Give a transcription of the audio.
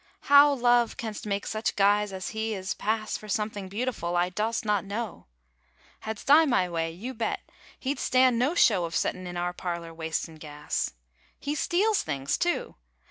How love canst make such guys as he is pass For something beautiful, I dost not know. 29 SONNETS OF A BUDDING BARD Hadst I my way, you bet! he d stand no show Of settin in our parlor wastin gas. He steals things, too!